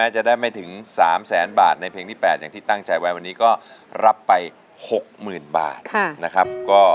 ใช้ไหมครับ